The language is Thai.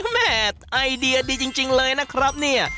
แม่ไอเดียดีจริงเลยนะครับเนี่ย